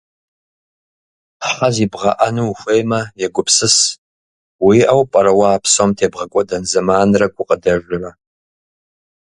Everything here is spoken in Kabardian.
Хьэ зибгъэӏэну ухуеймэ, егупсыс, уиӏэу пӏэрэ уэ а псом тебгъэкӏуэдэн зэманрэ гукъыдэжрэ.